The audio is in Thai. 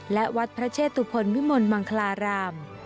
และวัดพระเชตุพลวิมลมังคลาราม